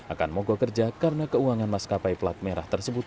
akan mogok kerja karena keuangan maskapai pelat merah tersebut